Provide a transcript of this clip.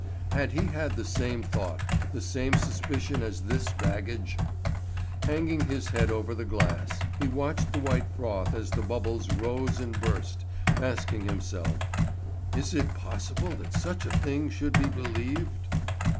Had he had the same thought, the same suspicion as this baggage? Hanging his head over the glass, he watched the white froth as the bubbles rose and burst, asking himself: "Is it possible that such a thing should be believed?"